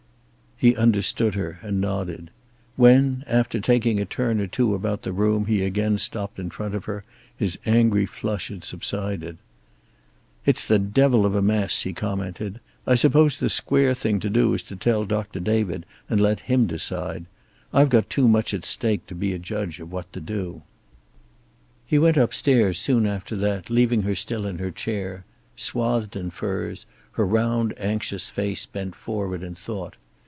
He understood her, and nodded. When, after taking a turn or two about the room he again stopped in front of her his angry flush had subsided. "It's the devil of a mess," he commented. "I suppose the square thing to do is to tell Doctor David, and let him decide. I've got too much at stake to be a judge of what to do." He went upstairs soon after that, leaving her still in her chair, swathed in furs, her round anxious face bent forward in thought.